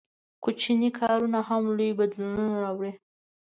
• کوچني کارونه هم لوی بدلونونه راوړي.